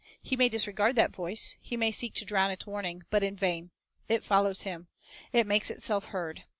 He may disregard that voice, he may seek to drown its warning, but in vain. It follows him. It makes itself heard.